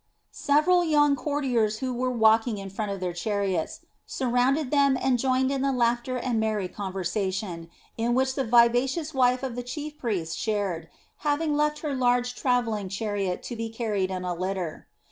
Several young courtiers who were walking in front of their chariots, surrounded them and joined in the laughter and merry conversation, in which the vivacious wife of the chief priest shared, having left her large travelling chariot to be carried in a litter.